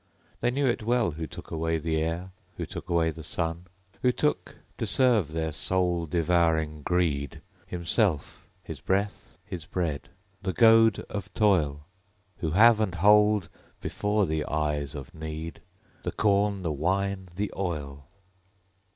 They knew it well, who took away the air, Who took away the sun; Who took, to serve their soul devouring greed, Himself, his breath, his bread the goad of toil; Who have and hold, before the eyes of Need, The corn, the wine, the oil!